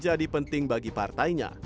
menjadi penting bagi partainya